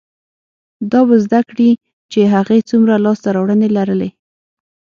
دا به زده کړي چې هغې څومره لاسته راوړنې لرلې،